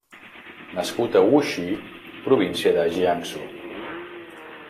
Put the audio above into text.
Nascut a Wuxi, província de Jiangsu.